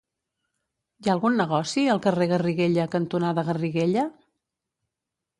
Hi ha algun negoci al carrer Garriguella cantonada Garriguella?